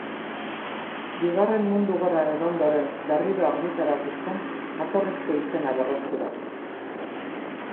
Bigarren Mundu Gerraren ondoren berriro argitaratu zen jatorrizko izena berreskuratuz.